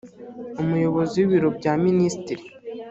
umuyobozi w ibiro bya minisitiri